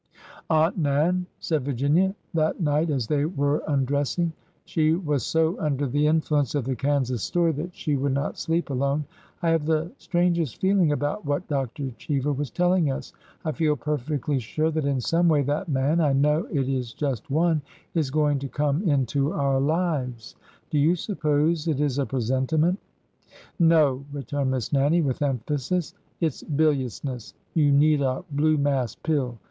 Aunt Nan," said Virginia that night as they were un dressing,— she was so under the influence of the Kansas story that she would not sleep alone,— " I have the strang est feeling about what Dr. Cheever was telling us. ... I feel perfectly sure that in some way that man (I know it is just one) is going to come into our lives! Do you suppose it is a presentiment ?" No 1 " returned Miss Nannie, with emphasis. It 's biliousness! You need a blue mass pill.